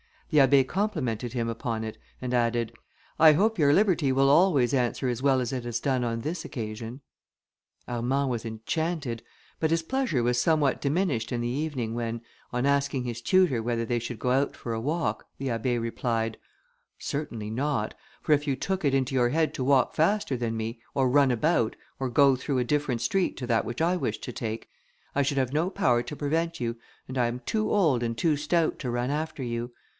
The Abbé complimented him upon it, and added, "I hope your liberty will always answer as well as it has done on this occasion." Armand was enchanted, but his pleasure was somewhat diminished in the evening, when, on asking his tutor whether they should go out for a walk, the Abbé replied, "Certainly not, for if you took it into your head to walk faster than me, or run about, or go through a different street to that which I wished to take, I should have no power to prevent you, and I am too old and too stout to run after you.